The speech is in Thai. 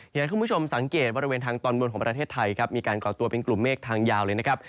อยากให้คุณผู้ชมสังเกตบริเวณทางตอนบนของประเทศไทยครับมีการก่อตัวเป็นกลุ่มเมฆทางยาวเลยนะครับ